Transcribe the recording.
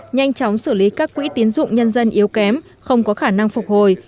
nhanh chóng xử lý các quỹ tiến dụng nhân dân yếu kém không có khả năng phục hồi